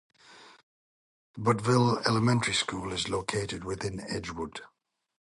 Butteville Elementary School is located within Edgewood.